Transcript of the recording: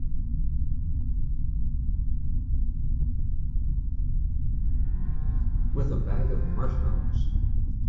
With a bag of marshmallows.